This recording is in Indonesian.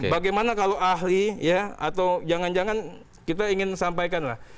bagaimana kalau ahli ya atau jangan jangan kita ingin sampaikan lah